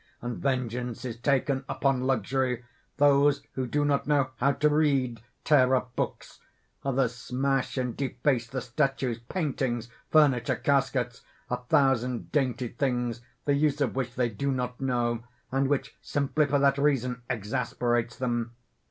And vengeance is taken upon luxury, those who do not know how to read tear up hooks; others smash and deface the statues, paintings, furniture, caskets, a thousand dainty things the use of which they do not know, and which simply for that reason exasperates them.